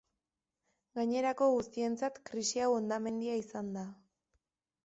Gainerako guztientzat krisi hau hondamendia izan da.